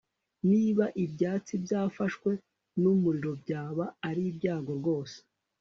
niba ibyatsi byafashwe n'umuriro, byaba ari ibyago rwose